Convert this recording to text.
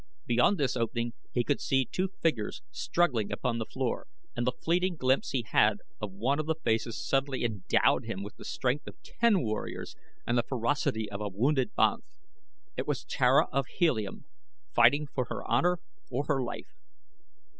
Beyond this opening he could see two figures struggling upon the floor, and the fleeting glimpse he had of one of the faces suddenly endowed him with the strength of ten warriors and the ferocity of a wounded banth. It was Tara of Helium, fighting for her honor or her life.